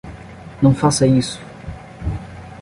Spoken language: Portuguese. Não faça isso!